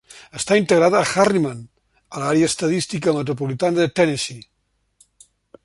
Està integrada a Harriman, a l'àrea estadística micropolitana de Tennessee.